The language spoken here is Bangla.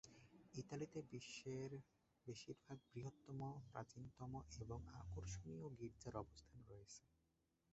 ইতালিতে বিশ্বের বেশিরভাগ বৃহত্তম, প্রাচীনতম এবং আকর্ষণীয় গীর্জার অবস্থান রয়েছে।